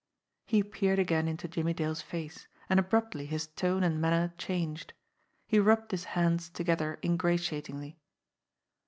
He peered again into Jimmie Dale's face, and abruptly his tone and manner changed. He rubbed his hands together ingrati atingly.